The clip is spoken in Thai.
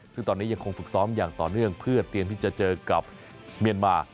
ซึ่งตอนนี้ยังคงฝึกซ้อมอย่างต่อเนื่องเพื่อเตรียมที่จะเจอกับเมียนมา